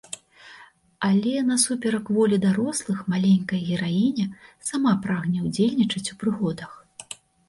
Але, насуперак волі дарослых, маленькая гераіня сама прагне ўдзельнічаць у прыгодах.